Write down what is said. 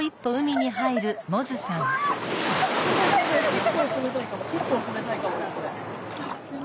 結構冷たいかも結構冷たいかも。